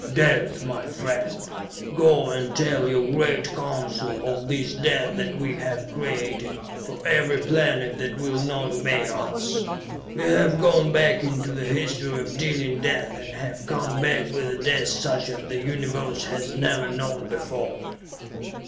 "Death, my friend. Go and tell your great Council of this death that we have created for every planet that will not obey us. "We have gone back into the history of dealing death and have come back with a death such as the Universe has never known before!